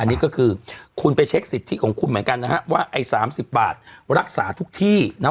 อันนี้ก็คือคุณไปเช็คสิทธิของคุณเหมือนกันนะฮะว่าไอ้๓๐บาทรักษาทุกที่นะ